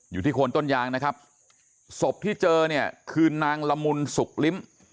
โคนต้นยางนะครับศพที่เจอเนี่ยคือนางละมุนสุกลิ้ม